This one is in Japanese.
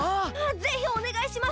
ぜひおねがいします。